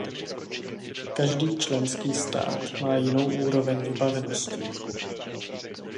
Každý členský stát má jinou úroveň vybavenosti.